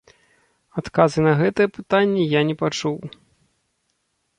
Адказы на гэтыя пытанні я не пачуў.